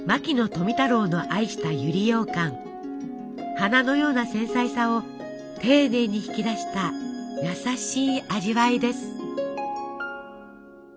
花のような繊細さをていねいに引き出した優しい味わいです。